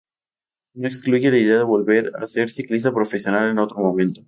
No excluye la idea de volver a ser ciclista profesional en otro momento.